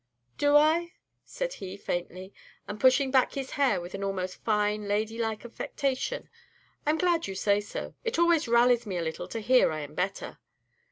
"Do I?" said he, faintly, and pushing back his hair with an almost fine ladylike affectation. "I 'm glad you say so. It always rallies me a little to hear I 'm better.